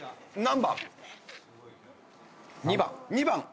何番？